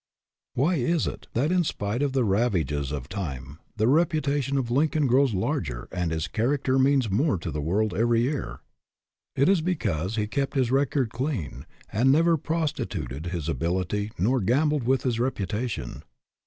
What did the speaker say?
Why is it that, in spite of the ravages of time, the reputation of Lincoln grows larger and his character means more to the world every year? It is because he kept his record clean, and never prostituted his ability nor gambled with his reputation.